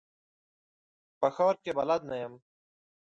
په ښار کي بلد نه یم .